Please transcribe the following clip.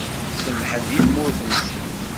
Semḥen di tmurt-nsen.